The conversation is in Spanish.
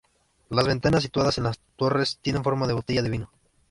Las ventanas situadas en las torres tienen forma de botella de vino.